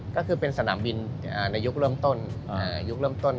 ก็คือเป็นสนามบินในยุคเริ่มต้น